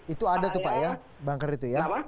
itu ada tuh pak ya bunker itu ya